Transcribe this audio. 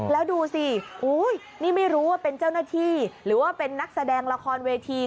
แล้วดูสินี่ไม่รู้ว่าเป็นเจ้าหน้าที่หรือว่าเป็นนักแสดงละครเวที